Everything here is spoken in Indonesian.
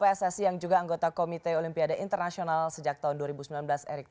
jadi tidak ada masalah akan berjalan dengan baik